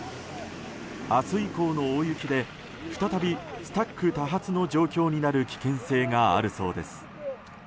明日以降の大雪で再びスタック多発の状況になる危険性があるそうです。